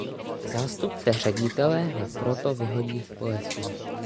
Zástupce ředitele ho proto vyhodí z plesu.